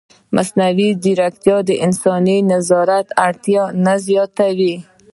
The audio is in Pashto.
ایا مصنوعي ځیرکتیا د انساني نظارت اړتیا نه زیاتوي؟